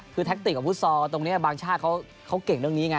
คือแท็กติกของฟุตซอลตรงนี้บางชาติเขาเก่งเรื่องนี้ไง